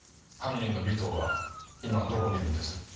犯人の尾藤は今どこにいるんです？